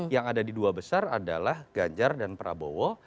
yang ada di dua besar adalah ganjar dan prabowo